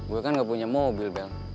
gue kan gak punya mobil bel